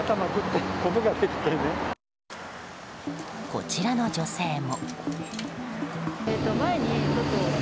こちらの女性も。